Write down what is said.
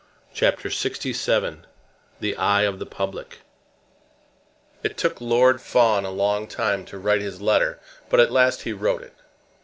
CHAPTER LXVII The Eye of the Public It took Lord Fawn a long time to write his letter, but at last he wrote it.